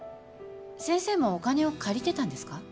先生もお金を借りてたんですか？